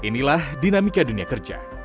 inilah dinamika dunia kerja